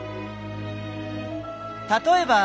例えば。